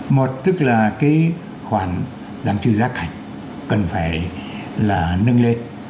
một tức là cái khoản đáng chư giá cảnh cần phải là nâng lên